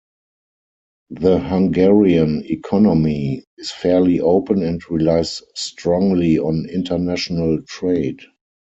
The Hungarian economy is fairly open and relies strongly on international trade.